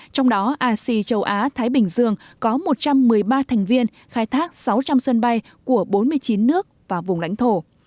trong đó asee châu á thái bình dương có một trăm một mươi ba thành viên khai thác sáu trăm linh sân bay của bốn mươi chín nước và vùng lãnh thổ